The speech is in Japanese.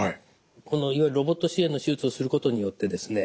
このロボット支援の手術をすることによってですね